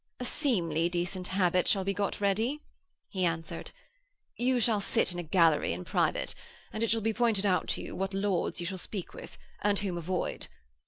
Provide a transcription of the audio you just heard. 'A seemly decent habit shall be got ready,' he answered. 'You shall sit in a gallery in private, and it shall be pointed out to you what lords you shall speak with and whom avoid.'